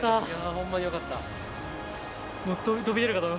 ホンマによかった。